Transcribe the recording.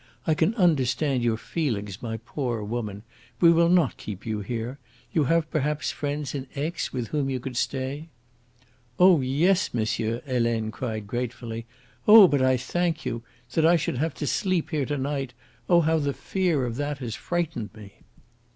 "I can understand your feelings, my poor woman. We will not keep you here. You have, perhaps, friends in Aix with whom you could stay?" "Oh yes, monsieur!" Helene cried gratefully. "Oh, but I thank you! That I should have to sleep here to night! Oh, how the fear of that has frightened me!"